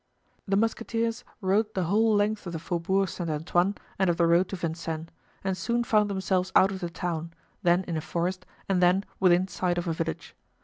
The musketeers rode the whole length of the Faubourg Saint Antoine and of the road to Vincennes, and soon found themselves out of the town, then in a forest and then within sight of a village.